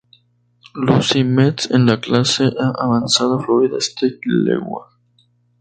Lucie Mets en la Clase A-avanzada Florida State League.